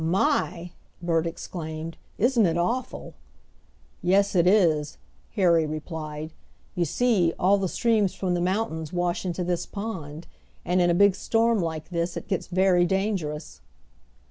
"My!" Bert exclaimed; "isn't it awful!" "Yes, it is," Harry replied. "You see, all the streams from the mountains wash into this pond, and in a big storm like this it gets very dangerous."